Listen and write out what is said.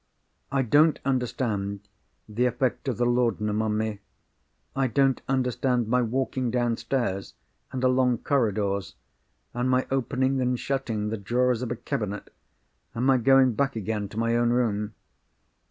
"I don't understand the effect of the laudanum on me. I don't understand my walking downstairs, and along corridors, and my opening and shutting the drawers of a cabinet, and my going back again to my own room.